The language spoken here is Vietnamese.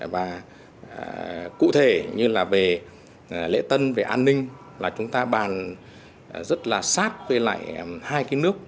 và cụ thể như là về lễ tân về an ninh là chúng ta bàn rất là sát với lại hai cái nước